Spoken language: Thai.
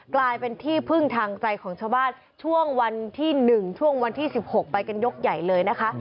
กลายเป็นที่พึ่งทางใจของชาวบ้านช่วงวันที่๑ช่วงวันที่๑๖ไปกันยกใหญ่เลยนะคะ